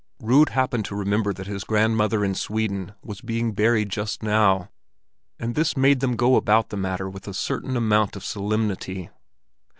Rud happened to remember that his grandmother in Sweden was being buried just now, and this made them go about the matter with a certain amount of solemnity.